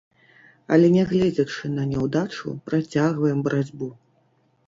Але нягледзячы на няўдачу, працягваем барацьбу.